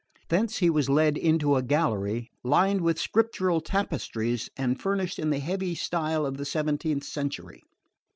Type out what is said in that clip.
Thence he was led into a gallery lined with scriptural tapestries and furnished in the heavy style of the seventeenth century.